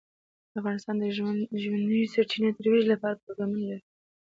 افغانستان د ژورې سرچینې د ترویج لپاره پروګرامونه لري.